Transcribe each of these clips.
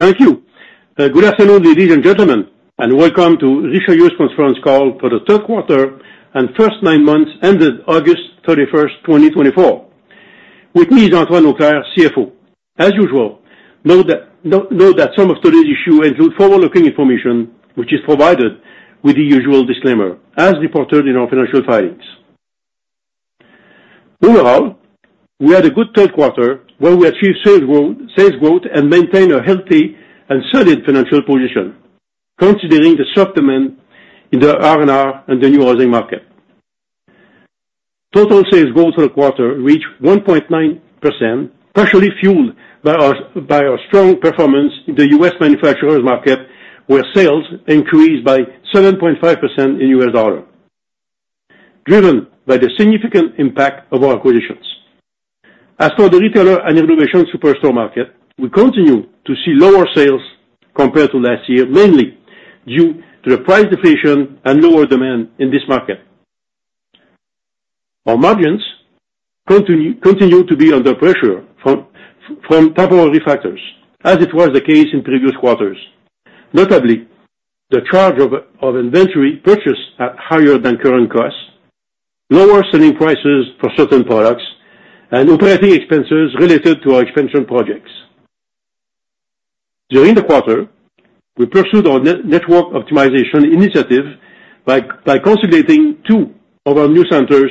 Thank you. Good afternoon, ladies and gentlemen, and welcome to Richelieu's Conference Call for the Q3 and first nine months, ended 31 August 2024. With me is Antoine Auclair, CFO. As usual, know that some of today's issues include forward-looking information, which is provided with the usual disclaimer, as reported in our financial filings. Overall, we had a good Q3, where we achieved sales growth, sales growth and maintained a healthy and solid financial position, considering the soft demand in the R&R and the new housing market. Total sales growth for the quarter reached 1.9%, partially fueled by our strong performance in the US manufacturers market, where sales increased by 7.5% in US dollar, driven by the significant impact of our acquisitions. As for the retailer and renovation superstore market, we continue to see lower sales compared to last year, mainly due to the price deflation and lower demand in this market. Our margins continue to be under pressure from temporary factors, as it was the case in previous quarters. Notably, the charge of inventory purchased at higher than current costs, lower selling prices for certain products, and operating expenses related to our expansion projects. During the quarter, we pursued our network optimization initiative by consolidating two of our new centers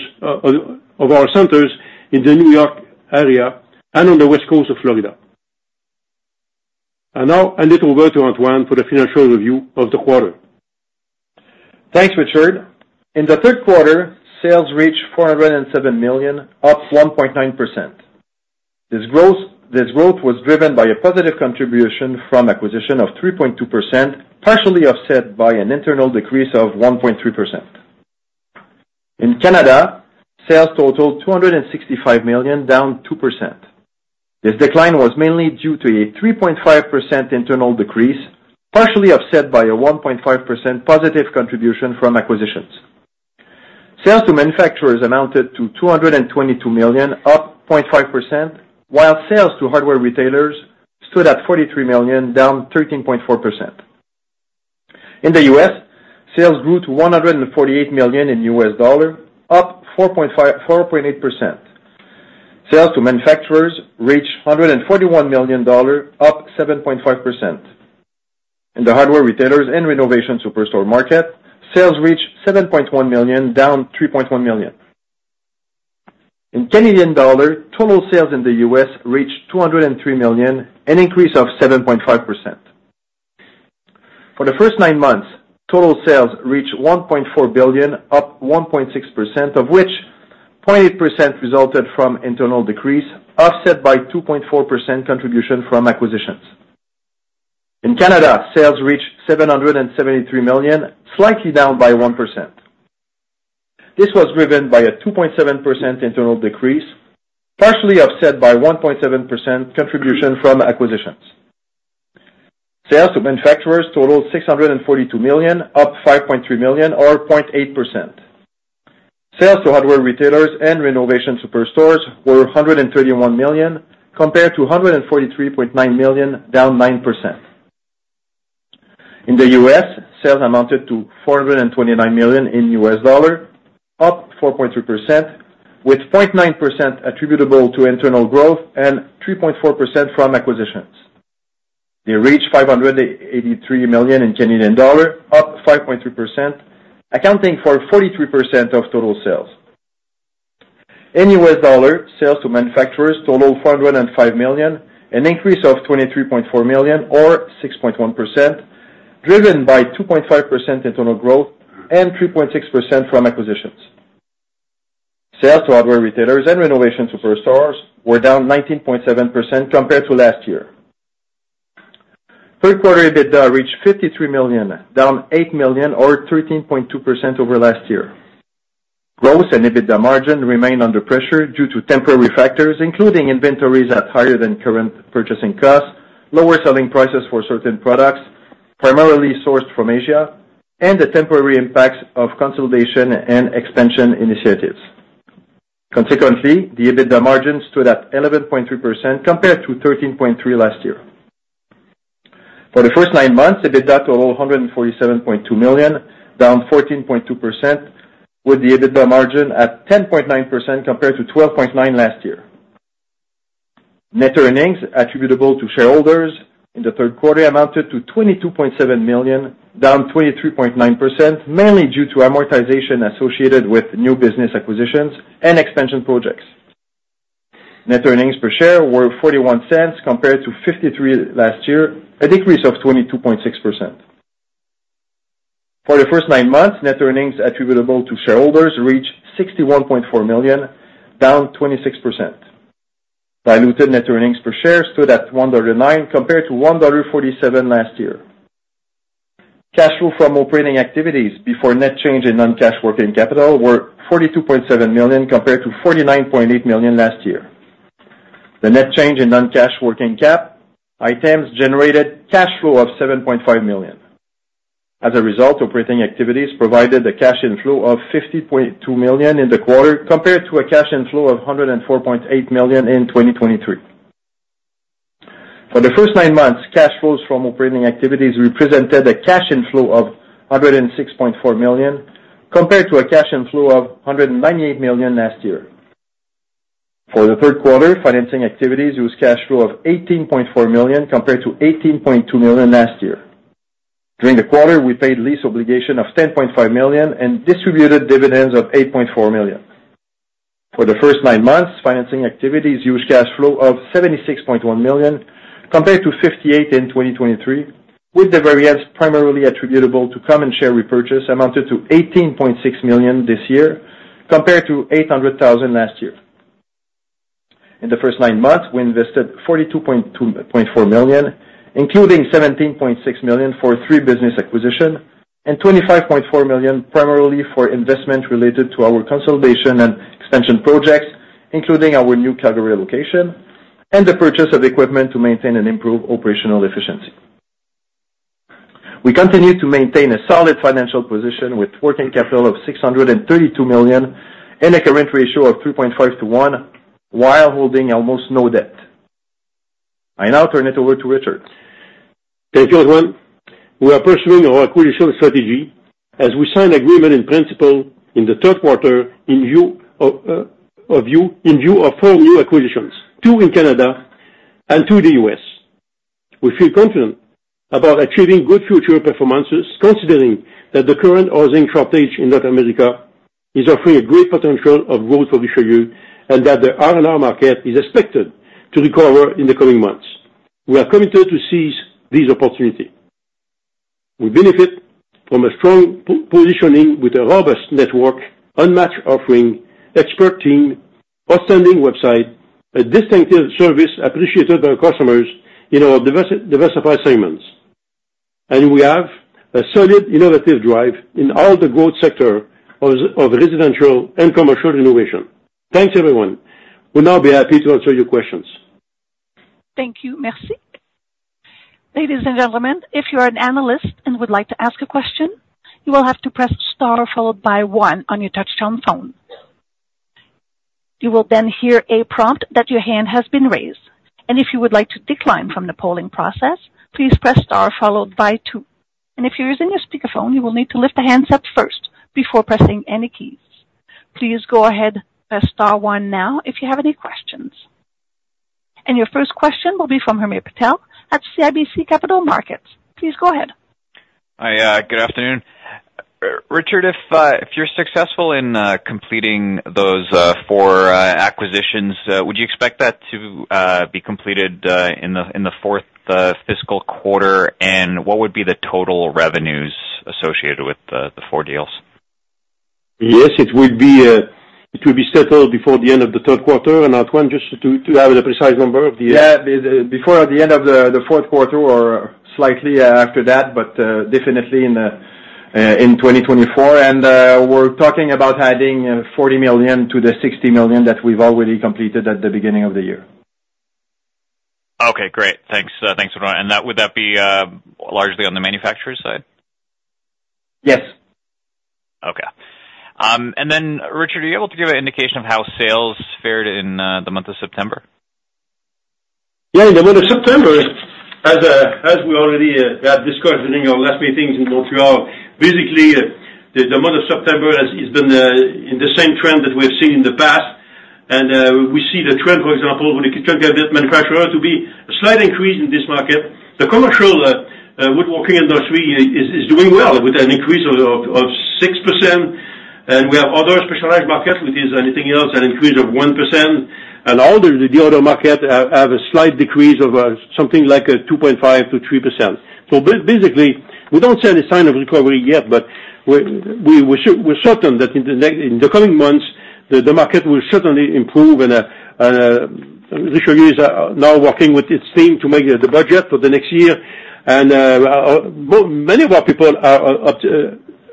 in the New York area and on the west coast of Florida. And now I need to go to Antoine for the financial review of the quarter. Thanks, Richard. In the Q3, sales reached 407 million, up 1.9%. This growth was driven by a positive contribution from acquisition of 3.2%, partially offset by an internal decrease of 1.3%. In Canada, sales totaled 265 million, down 2%. This decline was mainly due to a 3.5% internal decrease, partially offset by a 1.5% positive contribution from acquisitions. Sales to manufacturers amounted to 222 million, up 0.5%, while sales to hardware retailers stood at 43 million, down 13.4%. In the US, sales grew to $148 million, up 4.8%. Sales to manufacturers reached $141 million, up 7.5%. In the hardware retailers and renovation superstore market, sales reached 7.1 million, down 3.1 million. In Canadian dollar, total sales in the US reached 203 million, an increase of 7.5%. For the first nine months, total sales reached 1.4 billion, up 1.6%, of which 0.8% resulted from internal decrease, offset by 2.4% contribution from acquisitions. In Canada, sales reached 773 million, slightly down by 1%. This was driven by a 2.7% internal decrease, partially offset by 1.7% contribution from acquisitions. Sales to manufacturers totaled 642 million, up 5.3 million, or 0.8%. Sales to hardware retailers and renovation superstores were 131 million, compared to 143.9 million, down 9%. In the US, sales amounted to $429 million, up 4.3%, with 0.9% attributable to internal growth and 3.4% from acquisitions. They reached 583 million, up 5.3%, accounting for 43% of total sales. In US dollar, sales to manufacturers total $405 million, an increase of $23.4 million, or 6.1%, driven by 2.5% internal growth and 3.6% from acquisitions. Sales to hardware retailers and renovation superstores were down 19.7% compared to last year. Q3 EBITDA reached 53 million, down 8 million, or 13.2% over last year. Growth and EBITDA margin remain under pressure due to temporary factors, including inventories at higher than current purchasing costs, lower selling prices for certain products, primarily sourced from Asia, and the temporary impacts of consolidation and expansion initiatives. Consequently, the EBITDA margin stood at 11.3%, compared to 13.3% last year. For the first nine months, EBITDA totaled 147.2 million, down 14.2%, with the EBITDA margin at 10.9%, compared to 12.9% last year. Net earnings attributable to shareholders in the Q3 amounted to 22.7 million, down 23.9%, mainly due to amortization associated with new business acquisitions and expansion projects. Net earnings per share were 0.41 compared to 0.53 last year, a decrease of 22.6%. For the first nine months, net earnings attributable to shareholders reached 61.4 million, down 26%. Diluted net earnings per share stood at 1.09 dollar, compared to 1.47 dollar last year. Cash flow from operating activities before net change in non-cash working cap items generated cash flow of 7.5 million. As a result, operating activities provided a cash inflow of 50.2 million in the quarter, compared to a cash inflow of 104.8 million in 2023. For the first nine months, cash flows from operating activities represented a cash inflow of 106.4 million, compared to a cash inflow of 198 million last year. For the Q3, financing activities used cash flow of 18.4 million, compared to 18.2 million last year. During the quarter, we paid lease obligation of 10.5 million and distributed dividends of 8.4 million. For the first nine months, financing activities used cash flow of 76.1 million, compared to 58 million in 2023, with the variance primarily attributable to common share repurchase amounted to 18.6 million this year, compared to 800,000 last year. In the first nine months, we invested 42.4 million, including 17.6 million for three business acquisitions and 25.4 million, primarily for investment related to our consolidation and expansion projects, including our new Calgary location and the purchase of equipment to maintain and improve operational efficiency. We continue to maintain a solid financial position with working capital of 632 million and a current ratio of 3.5 to 1, while holding almost no debt. I now turn it over to Richard. Thank you, Antoine. We are pursuing our acquisition strategy as we sign agreement in principle in the Q3, in view of four new acquisitions, two in Canada and two in the US. We feel confident about achieving good future performances, considering that the current housing shortage in North America is offering a great potential of growth for the share and that the R&R market is expected to recover in the coming months. We are committed to seize this opportunity. We benefit from a strong positioning with a robust network, unmatched offering, expert team, outstanding website, a distinctive service appreciated by our customers in our diversified segments, and we have a solid innovative drive in all the growth sector of residential and commercial renovation. Thanks, everyone. We'll now be happy to answer your questions. Thank you. Merci. Ladies and gentlemen, if you are an analyst and would like to ask a question, you will have to press star followed by one on your touchtone phone. You will then hear a prompt that your hand has been raised, and if you would like to decline from the polling process, please press star followed by two. And if you're using a speakerphone, you will need to lift the handset first before pressing any keys. Please go ahead, press star one now if you have any questions. And your first question will be from Hamir Patel at CIBC Capital Markets. Please go ahead. Hi, good afternoon. Richard, if you're successful in completing those four acquisitions, would you expect that to be completed in the fourth fiscal quarter? And what would be the total revenues associated with the four deals? Yes, it will be settled before the end of the Q3. And Antoine, just to have the precise number of the- Yeah. Before the end of the Q4 or slightly after that, but definitely in 2024. And we're talking about adding 40 million to the 60 million that we've already completed at the beginning of the year. Okay, great. Thanks, Antoine. And that, would that be largely on the manufacturer side? Yes. Okay. And then, Richard, are you able to give an indication of how sales fared in the month of September? Yeah, in the month of September, as we already have discussed during our last meetings in Montreal, basically, the month of September has been in the same trend that we have seen in the past. We see the trend, for example, with the kitchen cabinet manufacturer, to be a slight increase in this market. The commercial woodworking industry is doing well with an increase of 6%. We have other specialized markets, which is anything else, an increase of 1%. All the other market have a slight decrease of something like 2.5%-3%. Basically, we don't see any sign of recovery yet, but we're certain that in the coming months, the market will certainly improve. Richard is now working with his team to make the budget for the next year. Many of our people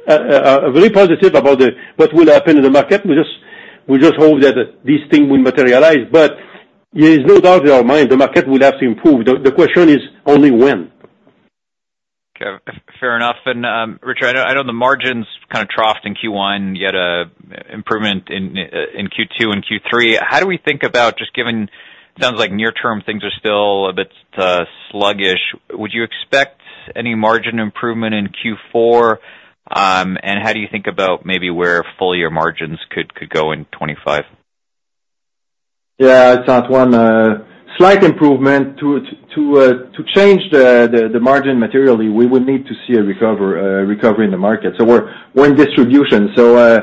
are very positive about what will happen in the market. We just hope that these things will materialize, but there is no doubt in our mind the market will have to improve. The question is only when? Okay, fair enough. And Richard, I know the margins kind of troughed in Q1, you had a improvement in, in Q2 and Q3. How do we think about just given? Sounds like near term, things are still a bit sluggish. Would you expect any margin improvement in Q4? And how do you think about maybe where full year margins could go in 2025? Yeah, it's Antoine. Slight improvement. To change the margin materially, we would need to see a recovery in the market. So we're in distribution, so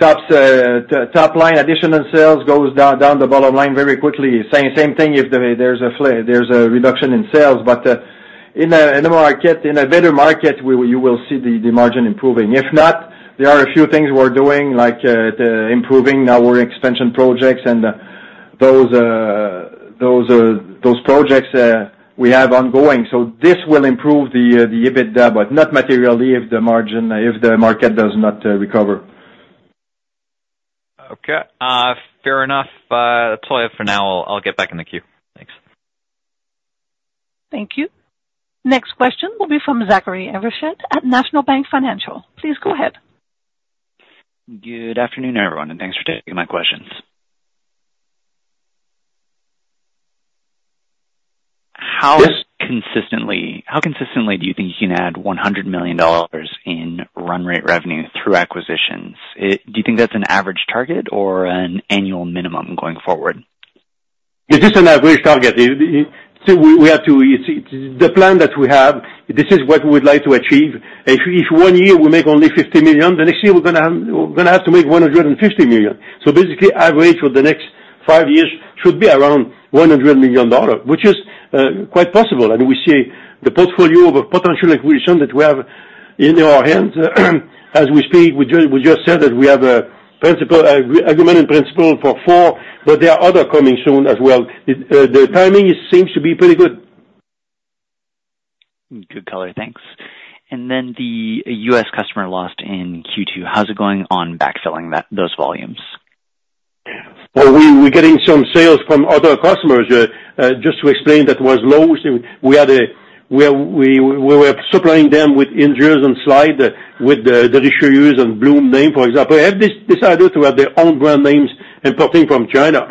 top line additional sales goes down the bottom line very quickly. Same thing if there's a reduction in sales. But in a better market, you will see the margin improving. If not, there are a few things we're doing, like improving our expansion projects and those projects we have ongoing. So this will improve the EBITDA, but not materially if the market does not recover.... Okay, fair enough. That's all I have for now. I'll get back in the queue. Thanks. Thank you. Next question will be from Zachary Evershed at National Bank Financial. Please go ahead. Good afternoon, everyone, and thanks for taking my questions. How consistently do you think you can add 100 million dollars in run rate revenue through acquisitions? It. Do you think that's an average target or an annual minimum going forward? It is an average target. So we have to. It's the plan that we have. This is what we would like to achieve. If one year we make only 50 million, the next year we're going to have to make 150 million. So basically, average for the next five years should be around 100 million dollars, which is quite possible. I mean, we see the portfolio of a potential acquisition that we have in our hands. As we speak, we just said that we have an agreement in principle for four, but there are other coming soon as well. The timing seems to be pretty good. Good color, thanks. And then the US customer lost in Q2, how's it going on backfilling that, those volumes? We're getting some sales from other customers. Just to explain, that was low. So we were supplying them with hinges and slides with the Blum name, for example, have decided to have their own brand names importing from China.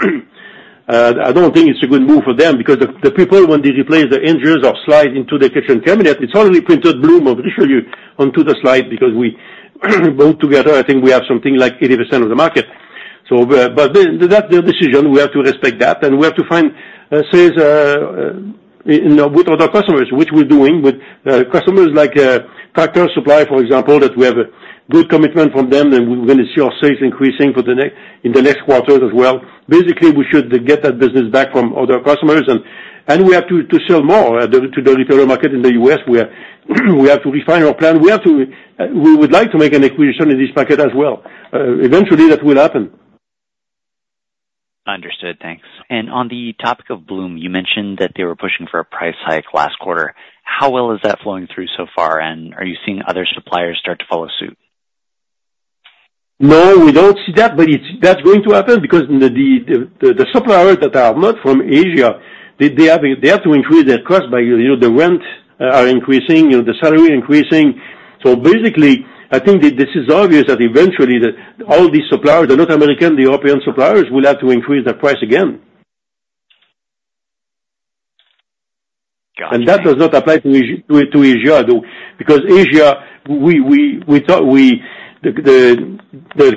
I don't think it's a good move for them because the people, when they replace the hinges or slides into the kitchen cabinet, it's only printed Blum, or let me show you, onto the slide, because we both together, I think we have something like 80% of the market. But then that's their decision. We have to respect that, and we have to find ways, you know, with other customers, which we're doing with customers like Tractor Supply, for example, that we have a good commitment from them, and we're gonna see our sales increasing in the next quarters as well. Basically, we should get that business back from other customers and we have to sell more to the retail market in the US, where we have to refine our plan. We would like to make an acquisition in this market as well. Eventually, that will happen. Understood. Thanks. And on the topic of Blum, you mentioned that they were pushing for a price hike last quarter. How well is that flowing through so far, and are you seeing other suppliers start to follow suit? No, we don't see that, but that's going to happen because the suppliers that are not from Asia, they have to increase their cost by, you know, the rent are increasing, you know, the salary increasing. So basically, I think that this is obvious that eventually all these suppliers, the North American, the European suppliers, will have to increase their price again. Got you. That does not apply to Asia, though. Because Asia, the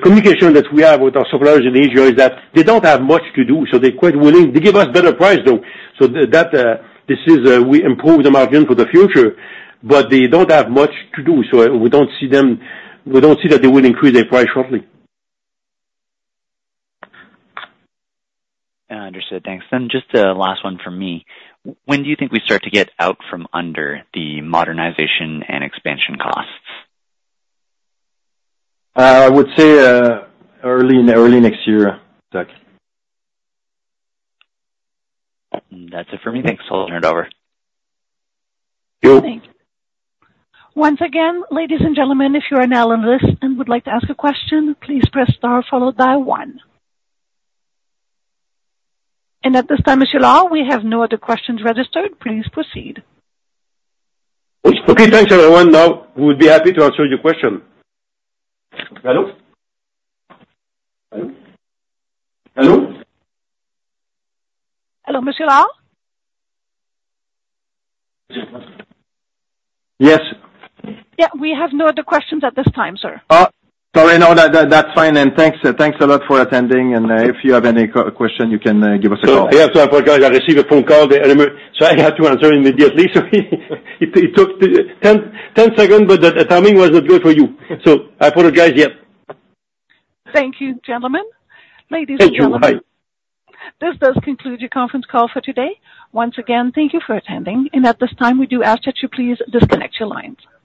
communication that we have with our suppliers in Asia is that they don't have much to do, so they're quite willing. They give us better price, though. So that this is we improve the margin for the future, but they don't have much to do, so we don't see them, we don't see that they will increase their price shortly. Understood. Thanks. Then just a last one from me. When do you think we start to get out from under the modernization and expansion costs? I would say early next year, Zach. That's it for me. Thanks. I'll turn it over. You- Thank you. Once again, ladies and gentlemen, if you are an analyst and would like to ask a question, please press star followed by one. And at this time, Monsieur Lord, we have no other questions registered. Please proceed. Okay, thanks, everyone. Now, we would be happy to answer your question. Hello? Hello? Hello? Hello, Monsieur Lord? Yes. Yeah, we have no other questions at this time, sir. Oh, sorry. No, that's fine, and thanks a lot for attending, and if you have any question, you can give us a call. So I have to apologize. I received a phone call in the middle, so I had to answer immediately, so it took ten seconds, but the timing was not good for you. So I apologize again. Thank you, gentlemen. Thank you. Bye. Ladies and gentlemen, this does conclude your conference call for today. Once again, thank you for attending, and at this time, we do ask that you please disconnect your lines.